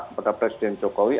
kepada presiden jokowi